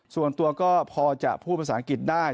ส่วนตัวก็พอจะพูดภาษาอังกฤษได้